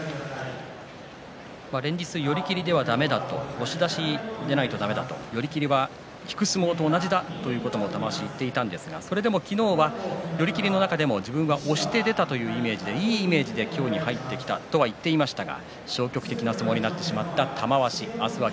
連日、寄り切りではだめだ押し出しでないとだめだと寄り切りは引く相撲と同じだということを玉鷲は言っていたんですが、それでも昨日は寄り切りの中でも自分は押して出たというイメージでいいイメージで土俵に入ってきたとは言っていましたが消極的な相撲になってしまった玉鷲。